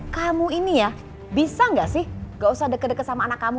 kamu ini ya bisa nggak sih gak usah deket deket sama anak kamu